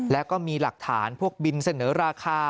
แล้วก็มีหลักฐานพวกบินเสนอราคา